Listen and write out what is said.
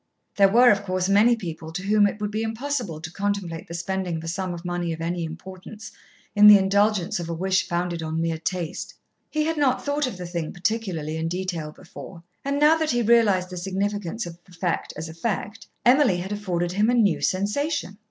There were, of course, many people to whom it would be impossible to contemplate the spending of a sum of money of any importance in the indulgence of a wish founded on mere taste. He had not thought of the thing particularly in detail before, and now that he realised the significance of the fact as a fact, Emily had afforded him a new sensation.